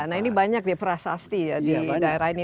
nah ini banyak ya perasaan pasti ya di daerah ini